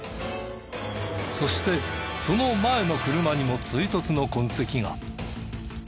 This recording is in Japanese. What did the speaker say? そしてその前の車にも追突の痕跡が。